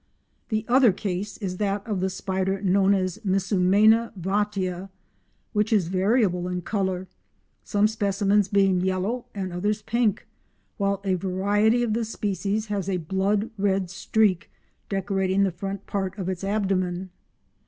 The other case is that of the spider known as Misumena vatia, which is variable in colour, some specimens being yellow and others pink, while a variety of the species has a blood red streak decorating the front part of its abdomen.